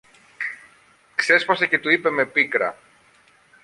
ξέσπασε και του είπε με πίκρα.